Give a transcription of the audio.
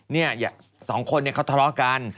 เนี่ยอย่าสองคนเนี่ยเขาทะเลาะกัน